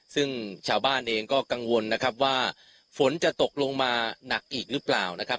ซึ่งชาวบ้านเองก็กังวลนะครับว่าฝนจะตกลงมาหนักอีกหรือเปล่านะครับ